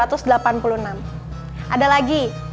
katakanlah hai hamba hambaku yang melampaui batangnya